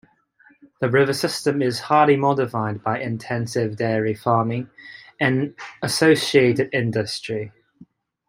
The river system is highly modified by intensive dairy farming and associated industry.